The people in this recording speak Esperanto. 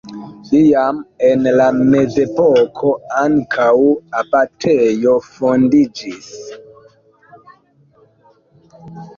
Iam en la mezepoko ankaŭ abatejo fondiĝis.